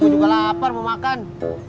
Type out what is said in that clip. aku juga lapar mau makan